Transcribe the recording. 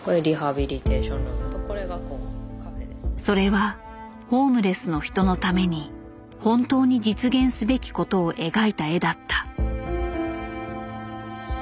それはホームレスの人のために本当に実現すべきことを描いた絵だった。